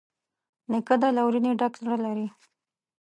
نیکه د لورینې ډک زړه لري.